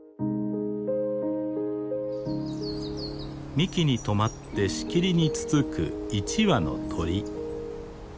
幹に止まってしきりにつつく１羽の鳥。